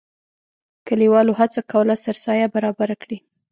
کلیوالو هڅه کوله سرسایه برابره کړي.